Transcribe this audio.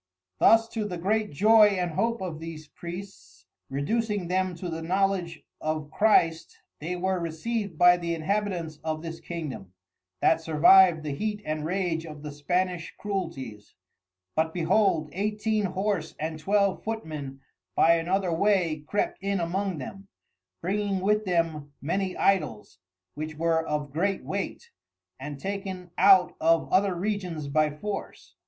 Thus to the great joy and hope of these Priests reducing them to the knowledge of Christ they were received by the Inhabitants of this Kingdom, that surviv'd the heat and rage of the Spanish Cruelties: but behold eighteen Horse and Twelve Footmen by another way crept in among them, bringing with them many Idols, which were of great weight, and taken out of other Regions by Force.